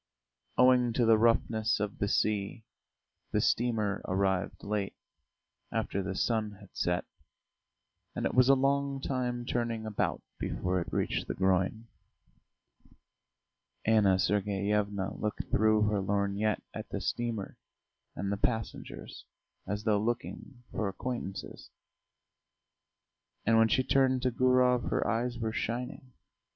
Owing to the roughness of the sea, the steamer arrived late, after the sun had set, and it was a long time turning about before it reached the groyne. Anna Sergeyevna looked through her lorgnette at the steamer and the passengers as though looking for acquaintances, and when she turned to Gurov her eyes were shining.